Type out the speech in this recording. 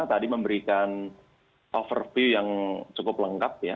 tadi memberikan overview yang cukup lengkap ya